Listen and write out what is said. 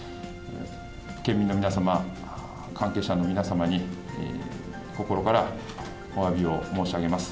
県民の皆様、関係者の皆様に、心からおわびを申し上げます。